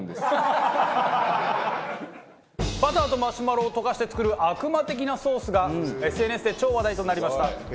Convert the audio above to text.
バターとマシュマロを溶かして作る悪魔的なソースがＳＮＳで超話題となりました。